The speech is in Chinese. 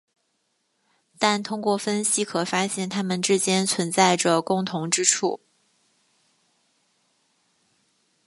但通过分析可发现它们之间存在着共同之处。